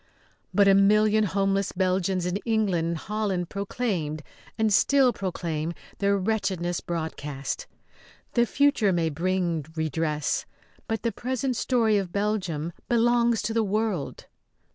But a million homeless Belgians in England and Holland proclaimed and still proclaim their wretchedness broadcast. The future may bring redress, but the present story of Belgium belongs to the world.